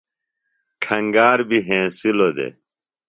کھنگار بیۡ ہینسِلوۡ دےۡ